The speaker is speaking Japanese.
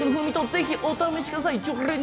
ぜひお試しください。